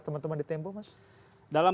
teman teman di tempo mas dalam